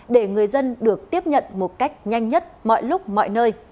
để người dân được tiếp nhận một cách nhanh nhất mọi lúc mọi nơi